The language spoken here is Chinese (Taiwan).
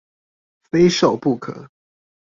非瘦不可